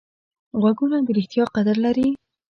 غوږونه د ریښتیا قدر لري